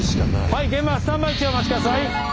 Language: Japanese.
はい現場スタンバイ中お待ち下さい！